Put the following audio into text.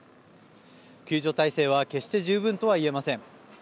救助態勢は決して十分とは言えません。